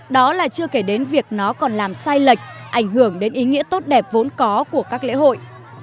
đó là chưa kể đến việc nó còn làm sai lệch ảnh hưởng đến ý nghĩa tốt đẹp vốn có của các lễ hội